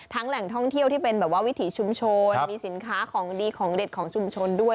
แหล่งท่องเที่ยวที่เป็นแบบว่าวิถีชุมชนมีสินค้าของดีของเด็ดของชุมชนด้วย